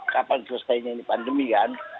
kapan selesainya ini pandemi kan